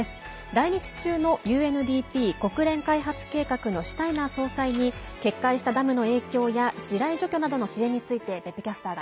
来日中のＵＮＤＰ＝国連開発計画のシュタイナー総裁に決壊したダムの影響や地雷除去などの支援について別府キャスターが